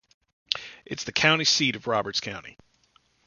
It is the county seat of Roberts County.